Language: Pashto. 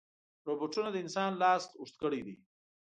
روبوټونه د انسان لاس اوږد کړی دی.